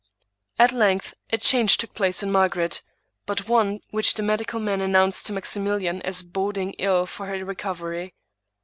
At length a change took place in Margaret, but one which the medical men announced to Maximilian as boding ill for her recovery.